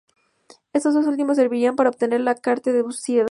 Estos dos últimos servirán para obtener la "Carte du Ciel".